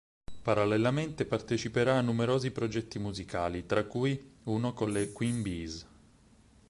Parallelamente, parteciperà a numerosi progetti musicali, tra cui uno con le "Queen Bees".